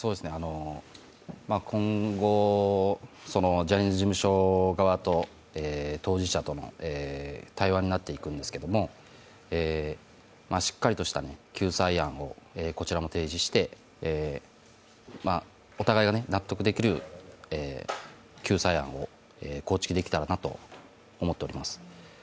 今後、ジャニーズ事務所側と当事者との対話になっていくんですけども、しっかりとした救済案をこちらも提示して、お互いが納得できる救済案を構築できたらなと思っております。